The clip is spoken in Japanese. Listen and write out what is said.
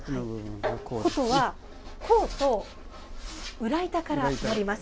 箏は甲と裏板からなります。